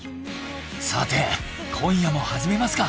さて今夜も始めますか。